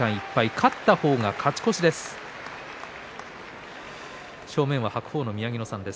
勝った方が勝ち越しです。